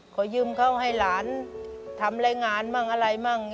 ขอยืมเขาให้หลานทำอะไรงานบ้างอะไรบ้าง